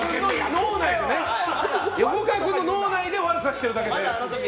横川君の脳内で悪さしてるだけで。